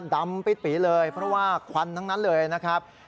ดำปิดปีเลยเพราะว่าควันทั้งนั้นเลยนะครับ